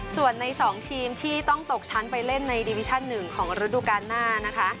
ส่วนใน๒ทีมที่ต้องตกชั้นไปเล่นในดิวิชั่น๑ของฤดูการหน้านะคะ